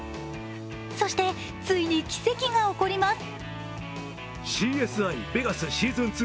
そしてついに奇跡が起こります。